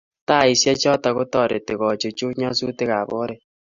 Taisiek choto kotereti kochuchuk nyasutikab oret